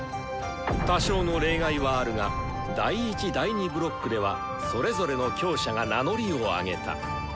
多少の例外はあるが第１第２ブロックではそれぞれの強者が名乗りを上げた。